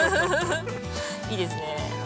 いいですね。